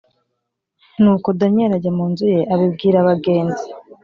Nuko Daniyeli ajya mu nzu ye abibwira bagenzi